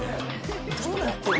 どうなってる？